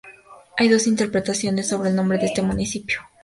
Hay dos interpretaciones sobre el nombre de este municipio.